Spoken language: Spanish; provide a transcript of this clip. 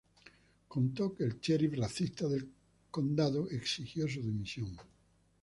Contó que el sheriff racista del condado exigió su dimisión.